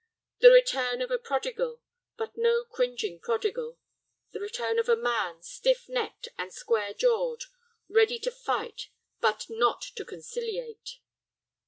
The return of a prodigal, but no cringing prodigal; the return of a man, stiff necked and square jawed, ready to fight but not to conciliate.